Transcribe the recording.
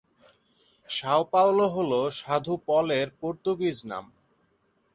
Sao Paulo হল সাধু পলের পর্তুগিজ নাম।